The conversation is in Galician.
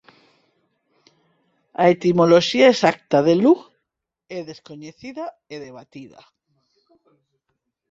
A etimoloxía exacta de Lugh é descoñecida e debatida.